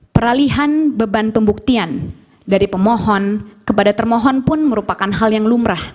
peralihan beban pembuktian dari pemohon kepada termohon pun merupakan hal yang lumrah